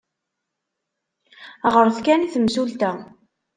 Ɣret kan i temsulta.